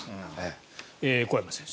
小山選手